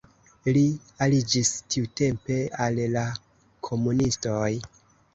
Li aliĝis tiutempe al la komunistoj.